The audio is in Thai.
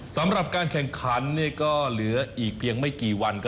สำหรับการแข่งขันก็เหลืออีกเพียงไม่กี่วัน